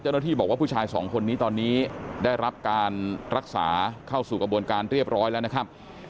เจ้าหน้าที่บอกว่าผู้ชายสองคนนี้ตอนนี้ได้รับการรักษาเข้าสู่กระบวนการเรียบร้อยแล้วนะครับ